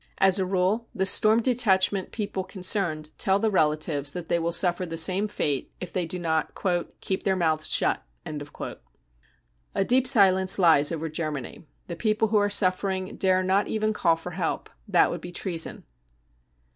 As a rule the Storm Detachment people concerned tell the relatives that they will suffer the same fate if they do not " keep their mouths shut." A deep silence lies over Germany. The people who are" suffering dare not even call for help : that would be treason.